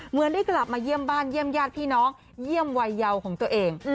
เหมือนได้กลับมาเยี่ยมบ้านเยี่ยมญาติพี่น้องเยี่ยมวัยเยาของตัวเอง